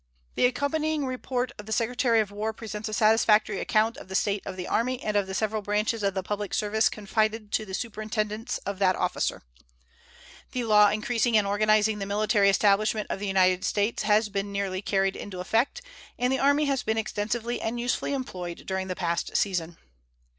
The accompanying report of the Secretary of War presents a satisfactory account of the state of the Army and of the several branches of the public service confided to the superintendence of that officer. The law increasing and organizing the military establishment of the United States has been nearly carried into effect, and the Army has been extensively and usefully employed during the past season.